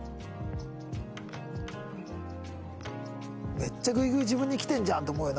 めっちゃグイグイ自分にきてるじゃんと思うよな。